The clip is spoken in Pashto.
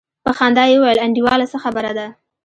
په خندا يې وويل انډيواله څه خبره ده.